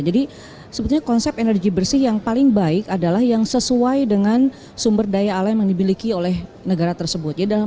jadi sebetulnya konsep energi bersih yang paling baik adalah yang sesuai dengan sumber daya alam yang dibiliki oleh negara tersebut